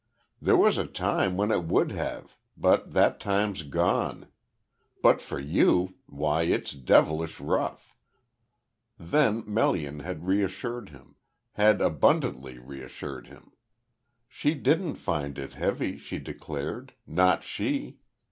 There was a time when it would have, but that time's gone. But for you why it's devilish rough." Then Melian had reassured him had abundantly reassured him. She didn't find it heavy, she declared not she.